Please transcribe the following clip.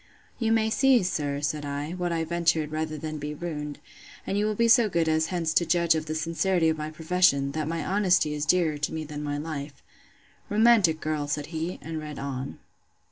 You may see, sir, said I, what I ventured, rather than be ruined; and you will be so good as hence to judge of the sincerity of my profession, that my honesty is dearer to me than my life. Romantic girl! said he, and read on.